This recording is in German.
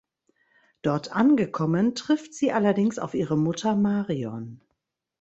Dort angekommen trifft sie allerdings auf ihre Mutter Marion.